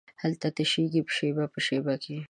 هلته تشېږې په شیبه، شیبه کې